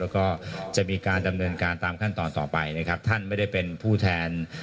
แล้วก็จะมีการดำเนินการตามขั้นตอนต่อไปนะครับท่านไม่ได้เป็นผู้แทน